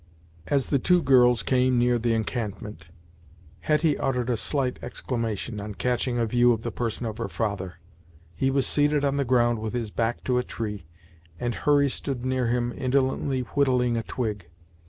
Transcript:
As the two girls came near the encampment, Hetty uttered a slight exclamation, on catching a view of the person of her father. He was seated on the ground with his back to a tree, and Hurry stood near him indolently whittling a twig.